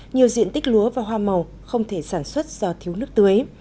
nhiều diện tích lúa và hoa màu không thể sản xuất do thiếu nước tưới